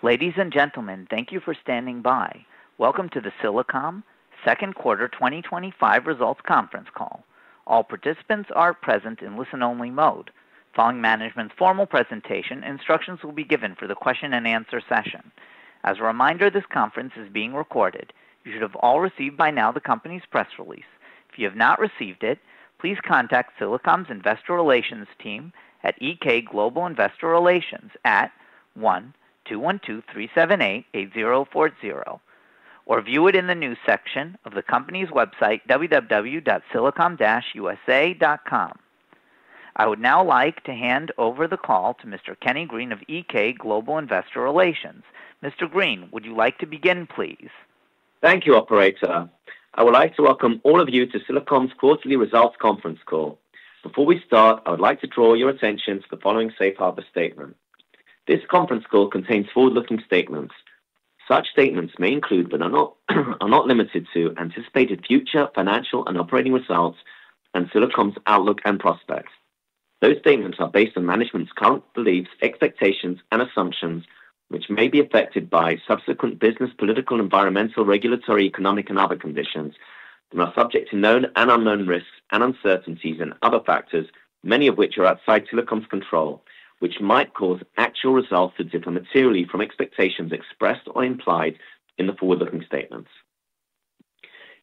Ladies and gentlemen, thank you for standing by. Welcome to the Silicom second quarter 2025 results conference call. All participants are present in listen-only mode. Following management's formal presentation, instructions will be given for the question and answer session. As a reminder, this conference is being recorded. You should have all received by now the company's press release. If you have not received it, please contact Silicom's Investor Relations team at EK Global Investor Relations at 1-212-378-8040 or view it in the news section of the company's website, www.silicom-usa.com. I would now like to hand over the call to Mr. Kenny Green of EK Global Investor Relations. Mr. Green, would you like to begin, please? Thank you, Operator. I would like to welcome all of you to Silicom quarterly results conference call. Before we start, I would like to draw your attention to the following safe harbor statement. This conference call contains forward-looking statements. Such statements may include, but are not limited to, anticipated future financial and operating results and Silicom outlook and prospects. Those statements are based on management's current beliefs, expectations, and assumptions, which may be affected by subsequent business, political, environmental, regulatory, economic, and other conditions and are subject to known and unknown risks and uncertainties and other factors, many of which are outside Silicom control, which might cause actual results to differ materially from expectations expressed or implied in the forward-looking statements.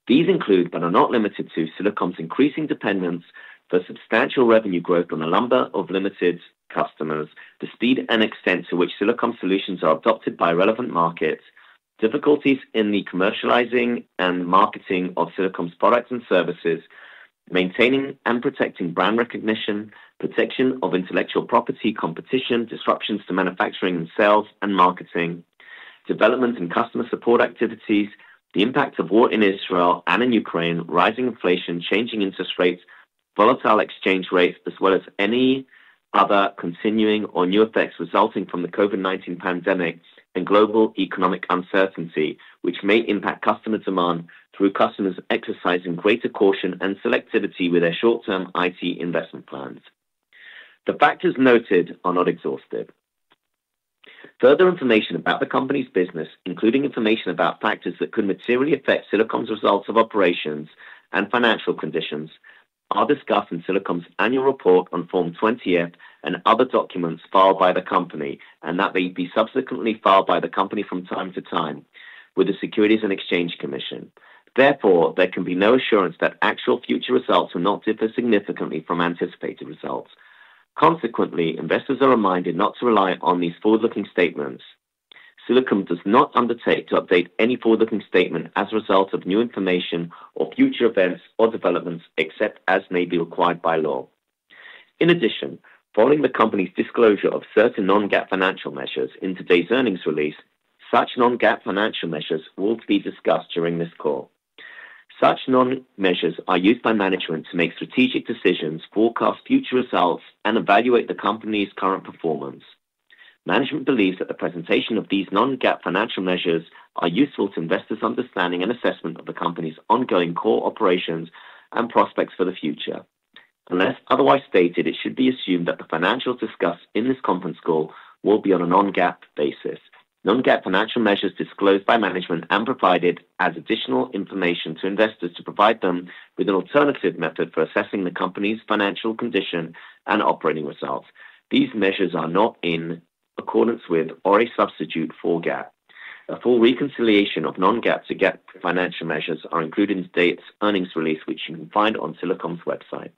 These include, but are not limited to, Silicom increasing dependence for substantial revenue growth on the number of limited customers, the speed and extent to which Silicom solutions are adopted by relevant markets, difficulties in the commercializing and marketing of Silicom products and services, maintaining and protecting brand recognition, protection of intellectual property, competition, disruptions to manufacturing and sales and marketing, development and customer support activities, the impact of war in Israel and in Ukraine, rising inflation, changing interest rates, volatile exchange rates, as well as any other continuing or new effects resulting from the COVID-19 pandemic and global economic uncertainty, which may impact customer demand through customers exercising greater caution and selectivity with their short-term IT investment plans. The factors noted are not exhaustive. Further information about the company's business, including information about factors that could materially affect Silicom results of operations and financial conditions, are discussed in Silicom annual report on Form 20-F and other documents filed by the company, and that they be subsequently filed by the company from time to time with the Securities and Exchange Commission. Therefore, there can be no assurance that actual future results will not differ significantly from anticipated results. Consequently, investors are reminded not to rely on these forward-looking statements. Silicom does not undertake to update any forward-looking statement as a result of new information or future events or developments, except as may be required by law. In addition, following the company's disclosure of certain non-GAAP financial measures in today's earnings release, such non-GAAP financial measures will be discussed during this call. Such non-GAAP measures are used by management to make strategic decisions, forecast future results, and evaluate the company's current performance. Management believes that the presentation of these non-GAAP financial measures is useful to investors' understanding and assessment of the company's ongoing core operations and prospects for the future. Unless otherwise stated, it should be assumed that the financials discussed in this conference call will be on a non-GAAP basis. Non-GAAP financial measures disclosed by management are provided as additional information to investors to provide them with an alternative method for assessing the company's financial condition and operating results. These measures are not in accordance with or a substitute for GAAP. A full reconciliation of non-GAAP to GAAP financial measures is included in today's earnings release, which you can find on Silicom's website.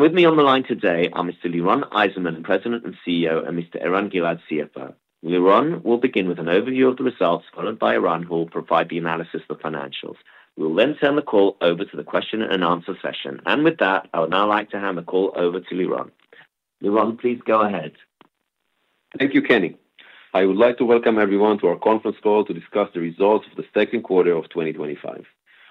With me on the line today are Mr. Liron Eizenman, President and CEO, and Mr. Eran Gilad, CFO. Liron will begin with an overview of the results, followed by Eran who will provide the analysis of the financials. We will then turn the call over to the question and answer session. I would now like to hand the call over to Liron. Liron, please go ahead. Thank you, Kenny. I would like to welcome everyone to our conference call to discuss the results for the second quarter of 2025.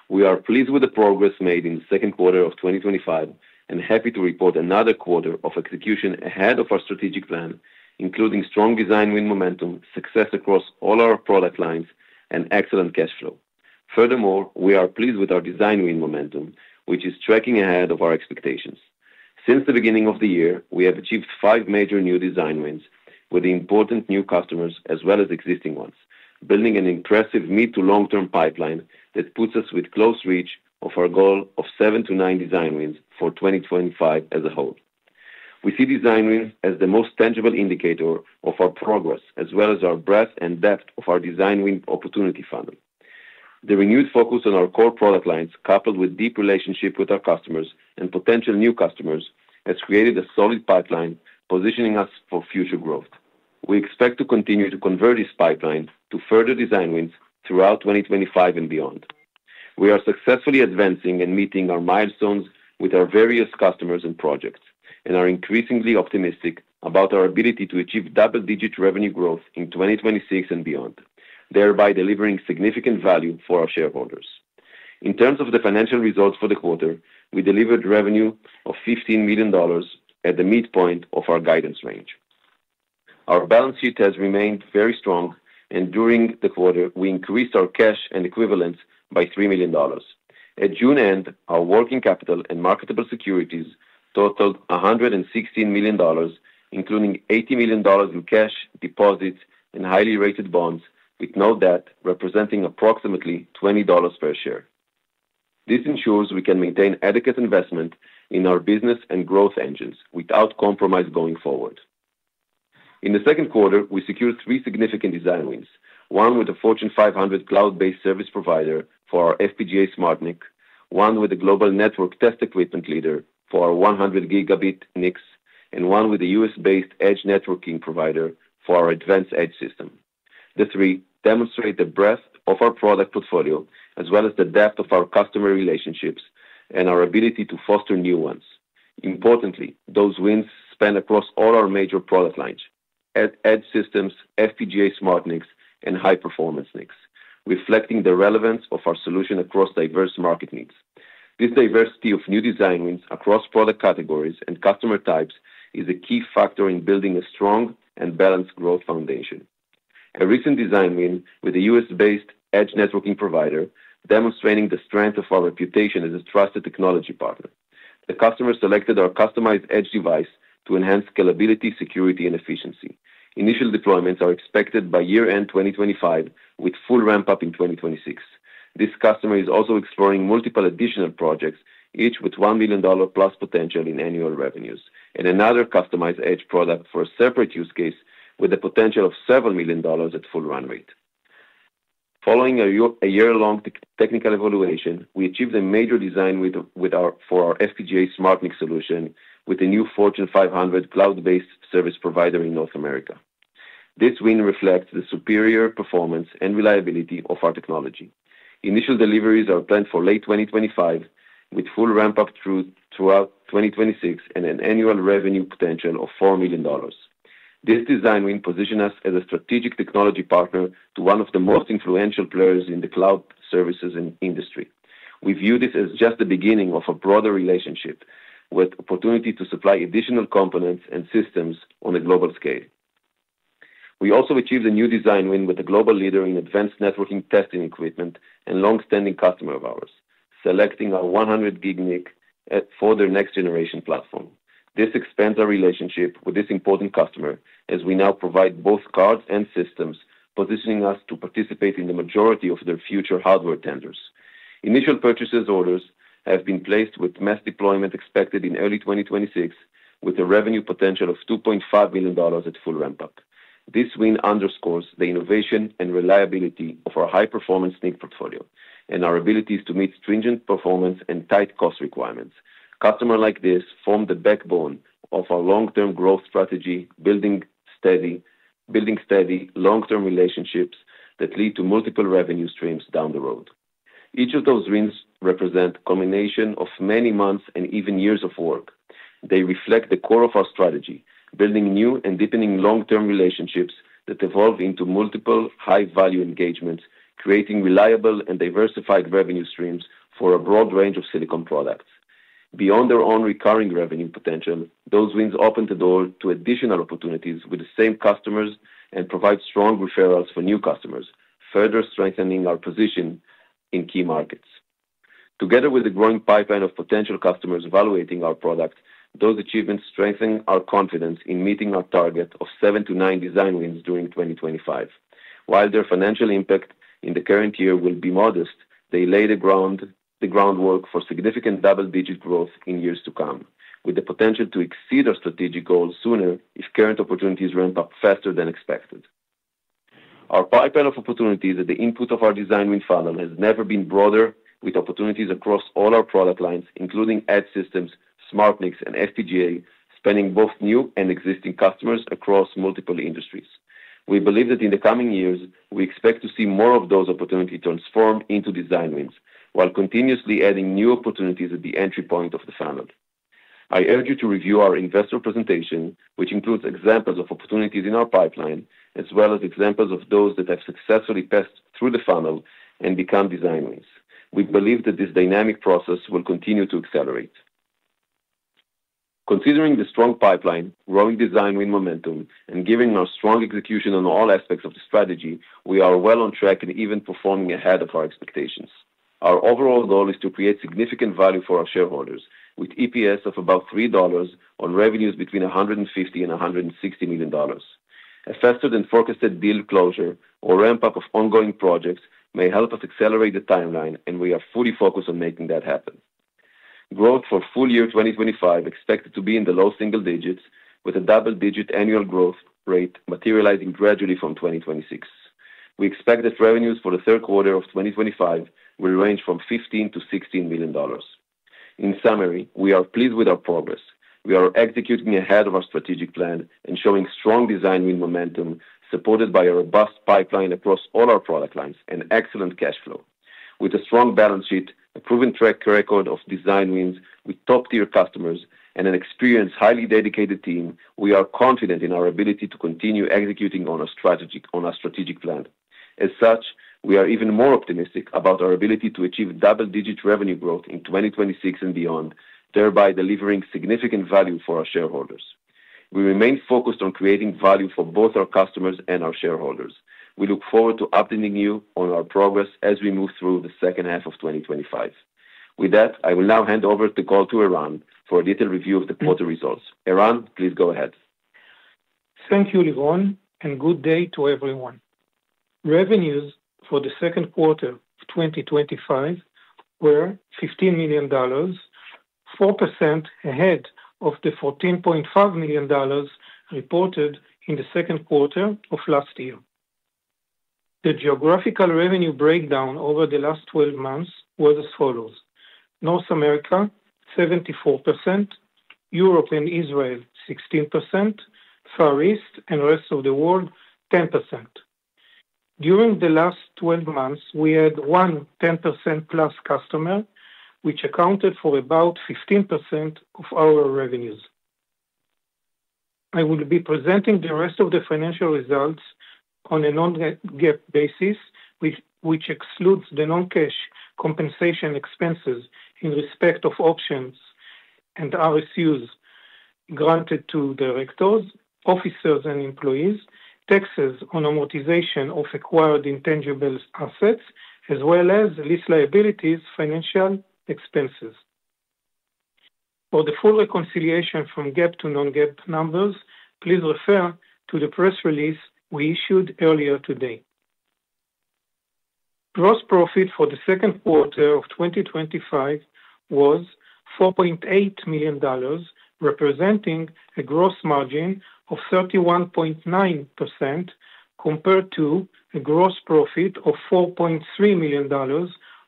We are pleased with the progress made in the second quarter of 2025 and happy to report another quarter of execution ahead of our strategic plan, including strong design win momentum, success across all our product lines, and excellent cash flow. Furthermore, we are pleased with our design win momentum, which is tracking ahead of our expectations. Since the beginning of the year, we have achieved five major new design wins with important new customers as well as existing ones, building an impressive mid to long-term pipeline that puts us with close reach of our goal of seven to nine design wins for 2025 as a whole. We see design win as the most tangible indicator of our progress, as well as our breadth and depth of our design win opportunity funnel. The renewed focus on our core product lines, coupled with a deep relationship with our customers and potential new customers, has created a solid pipeline positioning us for future growth. We expect to continue to convert this pipeline to further design wins throughout 2025 and beyond. We are successfully advancing and meeting our milestones with our various customers and projects, and are increasingly optimistic about our ability to achieve double-digit revenue growth in 2026 and beyond, thereby delivering significant value for our shareholders. In terms of the financial results for the quarter, we delivered revenue of $15 million at the midpoint of our guidance range. Our balance sheet has remained very strong, and during the quarter, we increased our cash and equivalents by $3 million. At June end, our working capital and marketable securities totaled $116 million, including $80 million in cash, deposits, and highly rated bonds, with no debt representing approximately $20 per share. This ensures we can maintain adequate investment in our business and growth engines without compromise going forward. In the second quarter, we secured three significant design wins, one with a Fortune 500 cloud-based service provider for our FPGA SmartNIC, one with a global network test equipment leader for our 100 Gb NICs, and one with a U.S.-based edge networking provider for our advanced Edge System. The three demonstrate the breadth of our product portfolio, as well as the depth of our customer relationships and our ability to foster new ones. Importantly, those wins span across all our major product lines: Edge Systems, FPGA SmartNICs, and high-performance NICs, reflecting the relevance of our solution across diverse market needs. This diversity of new design wins across product categories and customer types is a key factor in building a strong and balanced growth foundation. A recent design win with a U.S.-based edge networking provider demonstrated the strength of our reputation as a trusted technology partner. The customer selected our customized edge device to enhance scalability, security, and efficiency. Initial deployments are expected by year-end 2025, with full ramp-up in 2026. This customer is also exploring multiple additional projects, each with $1 million plus potential in annual revenues, and another customized edge product for a separate use case with a potential of several million dollars at full run rate. Following a year-long technical evaluation, we achieved a major design win for our FPGA SmartNIC solution with a new Fortune 500 cloud-based service provider in North America. This win reflects the superior performance and reliability of our technology. Initial deliveries are planned for late 2025, with full ramp-up throughout 2026 and an annual revenue potential of $4 million. This design win positions us as a strategic technology partner to one of the most influential players in the cloud services industry. We view this as just the beginning of a broader relationship with the opportunity to supply additional components and systems on a global scale. We also achieved a new design win with a global leader in advanced networking testing equipment and a long-standing customer of ours, selecting our 100 Gb NIC for their next-generation platform. This expands our relationship with this important customer, as we now provide both cards and systems, positioning us to participate in the majority of their future hardware tenders. Initial purchase orders have been placed, with mass deployment expected in early 2026, with a revenue potential of $2.5 million at full ramp-up. This win underscores the innovation and reliability of our high-performance NIC portfolio and our abilities to meet stringent performance and tight cost requirements. Customers like this form the backbone of our long-term growth strategy, building steady, long-term relationships that lead to multiple revenue streams down the road. Each of those wins represents a combination of many months and even years of work. They reflect the core of our strategy, building new and deepening long-term relationships that evolve into multiple high-value engagements, creating reliable and diversified revenue streams for a broad range of Silicom products. Beyond their own recurring revenue potential, those wins open the door to additional opportunities with the same customers and provide strong referrals for new customers, further strengthening our position in key markets. Together with the growing pipeline of potential customers evaluating our product, those achievements strengthen our confidence in meeting our target of seven to nine design wins during 2025. While their financial impact in the current year will be modest, they lay the groundwork for significant double-digit growth in years to come, with the potential to exceed our strategic goals sooner if current opportunities ramp up faster than expected. Our pipeline of opportunities at the input of our design win funnel has never been broader, with opportunities across all our product lines, including Edge Systems, SmartNICs, and FPGA, spanning both new and existing customers across multiple industries. We believe that in the coming years, we expect to see more of those opportunities transform into design wins, while continuously adding new opportunities at the entry point of the funnel. I urge you to review our investor presentation, which includes examples of opportunities in our pipeline, as well as examples of those that have successfully passed through the funnel and become design wins. We believe that this dynamic process will continue to accelerate. Considering the strong pipeline, growing design win momentum, and given our strong execution on all aspects of the strategy, we are well on track and even performing ahead of our expectations. Our overall goal is to create significant value for our shareholders, with EPS of about $3 on revenues between $150 million and $160 million. A faster-than-forecasted deal closure or ramp-up of ongoing projects may help us accelerate the timeline, and we are fully focused on making that happen. Growth for full year 2025 is expected to be in the low single digits, with a double-digit annual growth rate materializing gradually from 2026. We expect that revenues for the third quarter of 2025 will range from $15 million-$16 million. In summary, we are pleased with our progress. We are executing ahead of our strategic plan, ensuring strong design win momentum, supported by a robust pipeline across all our product lines and excellent cash flow. With a strong balance sheet, a proven track record of design wins with top-tier customers, and an experienced, highly dedicated team, we are confident in our ability to continue executing on our strategic plan. As such, we are even more optimistic about our ability to achieve double-digit revenue growth in 2026 and beyond, thereby delivering significant value for our shareholders. We remain focused on creating value for both our customers and our shareholders. We look forward to updating you on our progress as we move through the second half of 2025. With that, I will now hand over the call to Eran for a detailed review of the quarter results. Eran, please go ahead. Thank you, Liron, and good day to everyone. Revenues for the second quarter of 2025 were $15 million, 4% ahead of the $14.5 million reported in the second quarter of last year. The geographical revenue breakdown over the last 12 months was as follows: North America, 74%; Europe and Israel, 16%; Far East and the rest of the world, 10%. During the last 12 months, we had one 10%+ customer, which accounted for about 15% of our revenues. I will be presenting the rest of the financial results on a non-GAAP basis, which excludes the non-cash compensation expenses in respect of options and RSUs granted to directors, officers, and employees, taxes on amortization of acquired intangible assets, as well as lease liabilities financial expenses. For the full reconciliation from GAAP to non-GAAP numbers, please refer to the press release we issued earlier today. Gross profit for the second quarter of 2025 was $4.8 million, representing a gross margin of 31.9% compared to a gross profit of $4.3 million,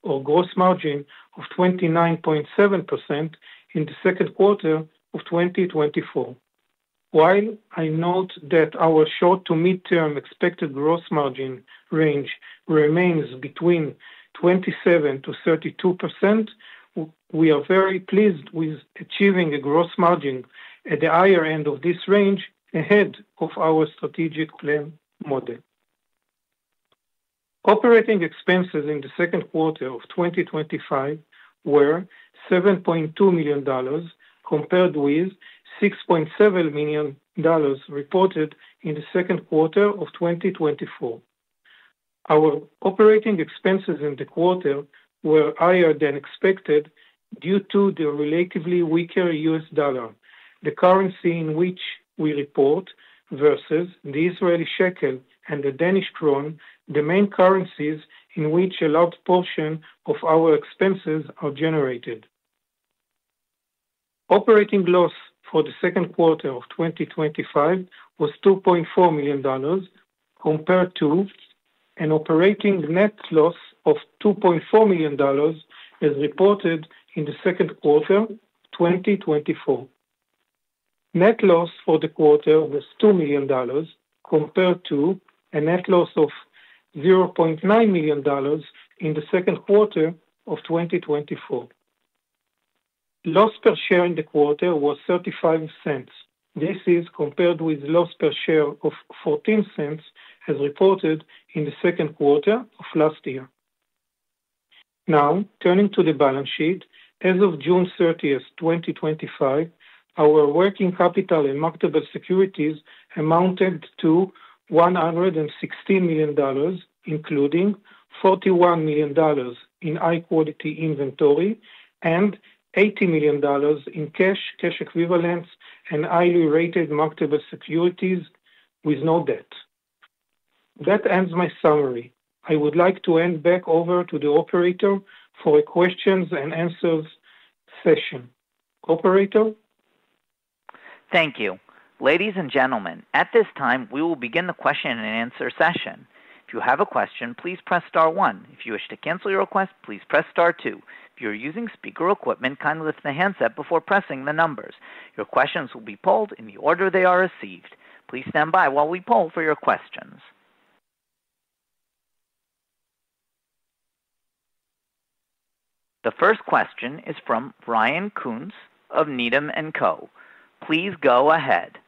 or a gross margin of 29.7% in the second quarter of 2024. While I note that our short to mid-term expected gross margin range remains between 27%-32%, we are very pleased with achieving a gross margin at the higher end of this range, ahead of our strategic plan model. Operating expenses in the second quarter of 2025 were $7.2 million, compared with $6.7 million reported in the second quarter of 2024. Our operating expenses in the quarter were higher than expected due to the relatively weaker U.S. dollar, the currency in which we report, versus the Israeli shekel and the Danish krone, the main currencies in which a large portion of our expenses are generated. Operating loss for the second quarter of 2025 was $2.4 million, compared to an operating net loss of $2.4 million as reported in the second quarter of 2024. Net loss for the quarter was $2 million, compared to a net loss of $0.9 million in the second quarter of 2024. Loss per share in the quarter was $0.35. This is compared with a loss per share of $0.14 as reported in the second quarter of last year. Now, turning to the balance sheet, as of June 30, 2025, our working capital and marketable securities amounted to $116 million, including $41 million in high-quality inventory and $80 million in cash, cash equivalents, and highly rated marketable securities with no debt. That ends my summary. I would like to hand back over to the Operator for a questions and answers session. Operator? Thank you. Ladies and gentlemen, at this time, we will begin the question and answer session. If you have a question, please press star one. If you wish to cancel your request, please press star two. If you are using speaker equipment, kindly lift the handset before pressing the numbers. Your questions will be pulled in the order they are received. Please stand by while we poll for your questions. The first question is from Ryan Koontz of Needham and Company. Please go ahead.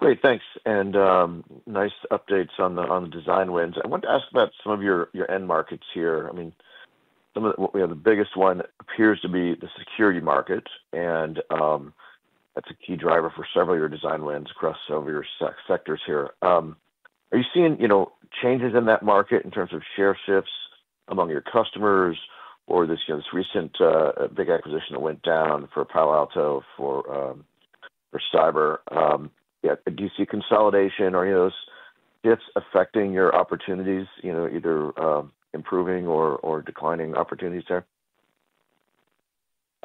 Great, thanks. Nice updates on the design wins. I wanted to ask about some of your end markets here. I mean, some of the biggest one appears to be the cybersecurity market, and that's a key driver for several of your design wins across some of your sectors here. Are you seeing changes in that market in terms of share shifts among your customers or this recent big acquisition that went down for Palo Alto for Cyber? Do you see consolidation or shifts affecting your opportunities, either improving or declining opportunities there?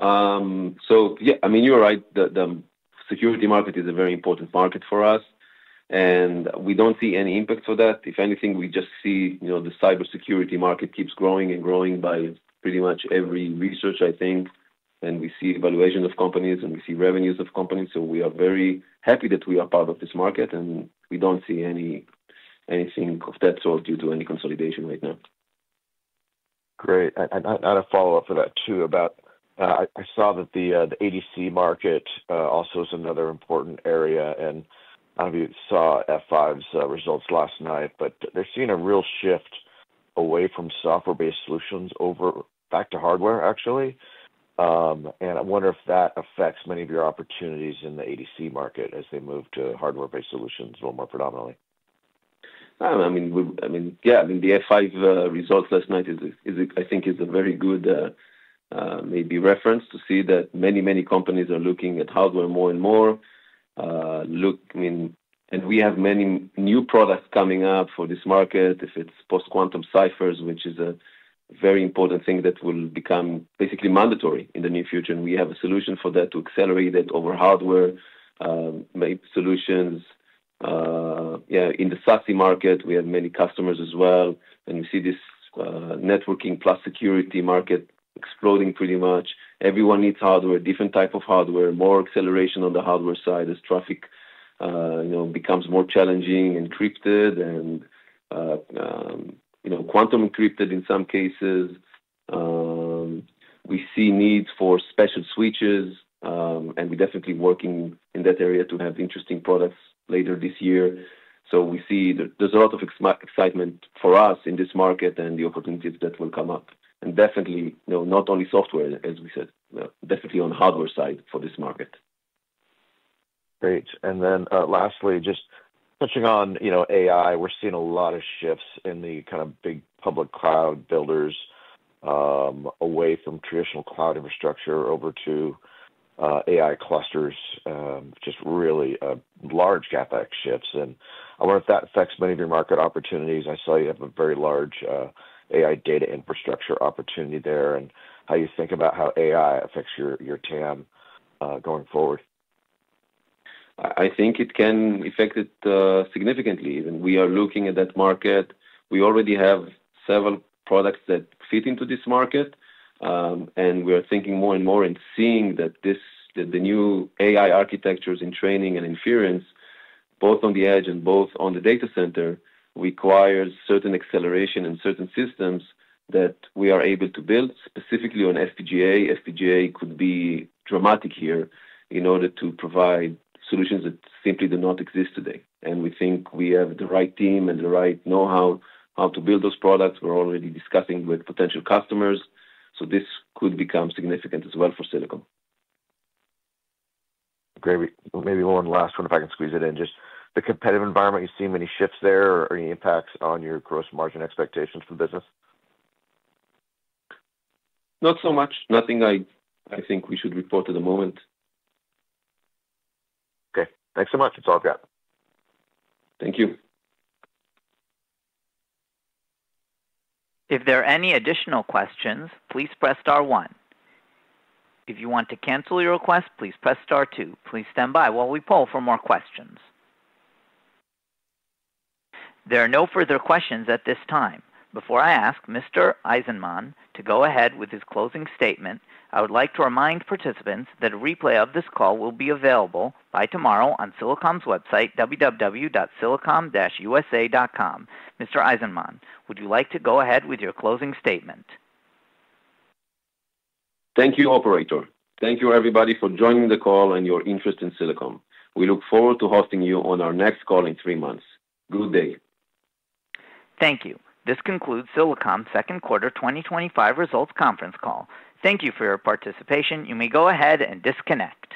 You're right. The security market is a very important market for us, and we don't see any impact for that. If anything, we just see the cybersecurity market keeps growing and growing by pretty much every research, I think. We see evaluations of companies, and we see revenues of companies. We are very happy that we are part of this market, and we don't see anything of that sort due to any consolidation right now. Great. I'll follow up with that too. I saw that the ADC market also is another important area. I don't know if you saw F5's results last night, but they're seeing a real shift away from software-based solutions back to hardware, actually. I wonder if that affects many of your opportunities in the ADC market as they move to hardware-based solutions a little more predominantly. The F5 results last night, I think, is a very good, maybe, reference to see that many, many companies are looking at hardware more and more. We have many new products coming out for this market. If it's post-quantum ciphers, which is a very important thing that will become basically mandatory in the near future, we have a solution for that to accelerate it over hardware solutions. In the SASE market, we have many customers as well. You see this networking plus security market exploding pretty much. Everyone needs hardware, different type of hardware, more acceleration on the hardware side as traffic becomes more challenging, encrypted, and quantum encrypted in some cases. We see needs for special switches, and we're definitely working in that area to have interesting products later this year. We see there's a lot of excitement for us in this market and the opportunities that will come up. Definitely, not only software, as we said, definitely on the hardware side for this market. Great. Lastly, just touching on AI, we're seeing a lot of shifts in the kind of big public cloud builders away from traditional cloud infrastructure over to AI clusters, just really large GAAP actions. I wonder if that affects many of your market opportunities. I saw you have a very large AI data infrastructure opportunity there. How do you think about how AI affects your TAM going forward? I think it can affect it significantly. We are looking at that market. We already have several products that fit into this market. We are thinking more and more and seeing that the new AI architectures in training and inference, both on the edge and both on the data center, require certain acceleration and certain systems that we are able to build specifically on FPGA. FPGA could be dramatic here in order to provide solutions that simply do not exist today. We think we have the right team and the right know-how how to build those products. We're already discussing with potential customers. This could become significant as well for Silicom. Great. Maybe Liron, the last one, if I can squeeze it in. Just the competitive environment, you've seen many shifts there. Are there any impacts on your gross margin expectations for business? Not so much. Nothing I think we should report at the moment. Okay, thanks so much. That's all I've got. Thank you. If there are any additional questions, please press star one. If you want to cancel your request, please press star two. Please stand by while we poll for more questions. There are no further questions at this time. Before I ask Mr. Eizenman to go ahead with his closing statement, I would like to remind participants that a replay of this call will be available by tomorrow on Silicom's website, www.silicom-usa.com. Mr. Eizenman, would you like to go ahead with your closing statement? Thank you, Operator. Thank you, everybody, for joining the call and your interest in Silicom. We look forward to hosting you on our next call in three months. Good day. Thank you. This concludes Silicom second quarter 2025 results conference call. Thank you for your participation. You may go ahead and disconnect.